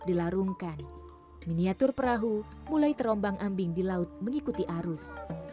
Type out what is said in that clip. setelah di larungkan miniatur perahu mulai terombang ambing di laut mengikuti arus